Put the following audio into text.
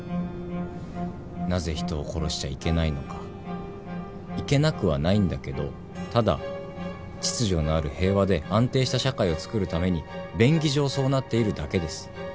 なぜ人を殺しちゃいけないのかいけなくはないんだけどただ秩序のある平和で安定した社会をつくるために便宜上そうなっているだけです。